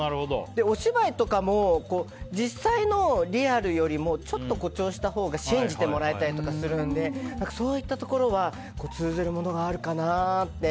お芝居とかも実際のリアルよりもちょっと誇張したほうが信じてもらえたりするのでそういったところは通ずるものがあるかなって。